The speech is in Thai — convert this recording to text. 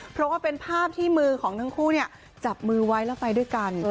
เพราะว่าเป็นภาพที่มือของทั้งคู่จับมือไว้แล้วไปด้วยกัน